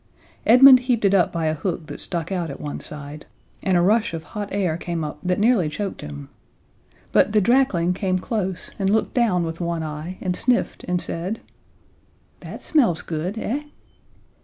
Edmund heaved it up by a hook that stuck out at one side, and a rush of hot air came up that nearly choked him. But the drakling came close and looked down with one eye and sniffed, and said: "That smells good, eh?"